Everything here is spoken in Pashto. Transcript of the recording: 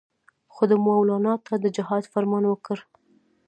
خو ده مولنا ته د جهاد فرمان ورکړ.